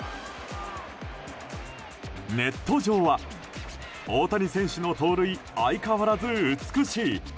ネット上は、大谷選手の盗塁相変わらず美しい。